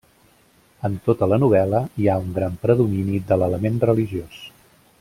En tota la novel·la hi ha un gran predomini de l'element religiós.